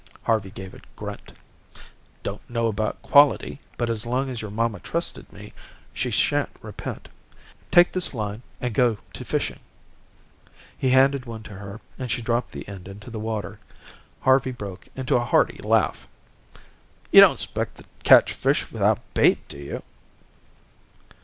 Harvey gave a grunt. "Don't know about quality, but as long as your mamma trusted me, she shan't repent. Take this line, and go to fishing." He handed one to her and she dropped the end into the water. Harvey broke into a hearty laugh. "You don't 'spect to catch fish without bait, do you?"